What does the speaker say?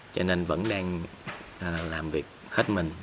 cho nên vẫn đang làm việc hết mình